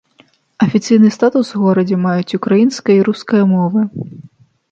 Афіцыйны статус у горадзе маюць украінская і руская мовы.